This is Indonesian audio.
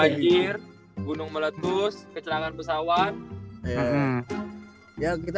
banjir gunung meletus kecelakaan pesawat